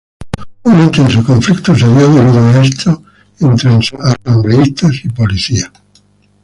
Un intenso conflicto se dio debido a esto entre asambleístas y policías.